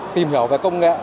tìm hiểu về công nghệ